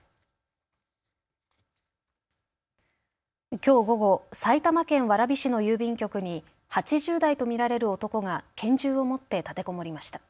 きょう午後、埼玉県蕨市の郵便局に８０代と見られる男が拳銃を持って立てこもりました。